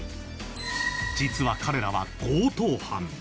実は彼らは強盗犯。